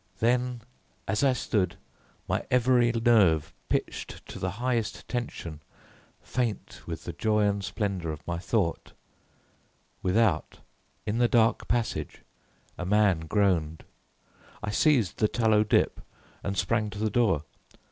Then as I stood, my every nerve pitched to the highest tension, faint with the joy and splendour of my thought, without, in the dark passage, a man groaned. I seized the tallow dip and sprang to the door.